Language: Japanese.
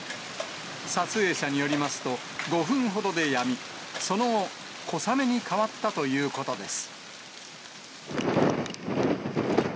撮影者によりますと、５分ほどでやみ、その後、小雨に変わったということです。